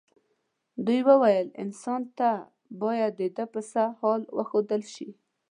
دوی وویل انسان ته باید ددې پسه حال وښودل شي.